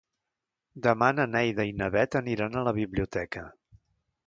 Demà na Neida i na Bet aniran a la biblioteca.